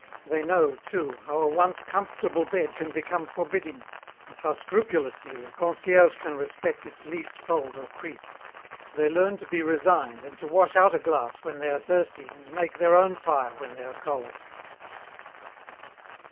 They know, too, how a once comfortable bed can become forbidding, and how scrupulously a concierge can respect its least fold or crease. They learn to be resigned and to wash out a glass when they are thirsty and make their own fire when they are cold.